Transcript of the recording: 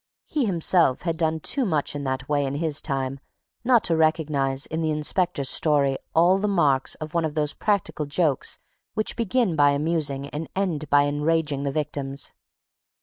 He himself had done too much in that way in his time not to recognize, in the inspector's story, all the marks of one of those practical jokes which begin by amusing and end by enraging the victims.